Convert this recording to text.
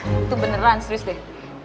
itu beneran serius deh